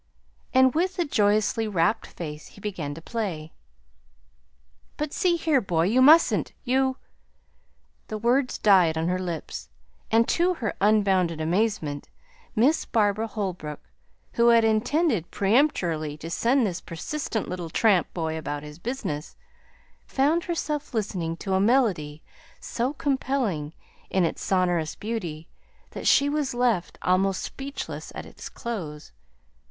And with a joyously rapt face he began to play. "But, see here, boy, you mustn't! You " The words died on her lips; and, to her unbounded amazement, Miss Barbara Holbrook, who had intended peremptorily to send this persistent little tramp boy about his business, found herself listening to a melody so compelling in its sonorous beauty that she was left almost speechless at its close.